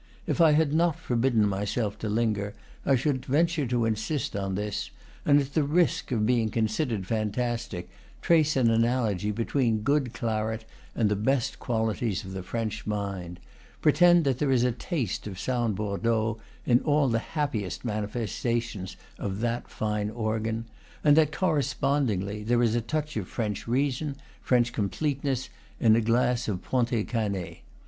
If I had not for bidden myself to linger, I should venture to insist on this, and, at the risk of being considered fantastic, trace an analogy between good claret and the best qualities of the French mind; pretend that there is a taste of sound Bordeaux in all the happiest manifes tations of that fine organ, and that, correspondingly, there is a touch of French reason, French complete ness, in a glass of Pontet Canet.